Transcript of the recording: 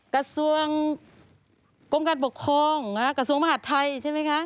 กระทรวงกรมการปกครองกระทรวงมหาดไทยใช่ไหมคะ